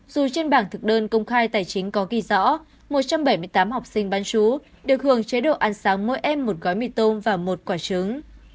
dù trên bảng thực đơn công khai tài chính có ghi rõ một trăm bảy mươi tám học sinh bán chú được hưởng chế độ ăn sáng mỗi em một gói mì tôm và một quả trứng